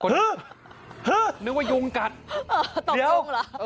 นึกว่ายุงกัดเออต้องยุงเหรอเออเดี๋ยว